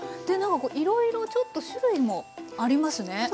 いろいろちょっと種類もありますね。